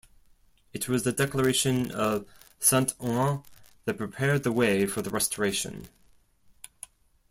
It was the Declaration of Saint-Ouen that prepared the way for the Restoration.